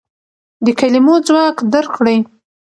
د کلمو ځواک درک کړئ.